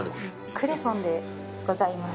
クレソンでございます。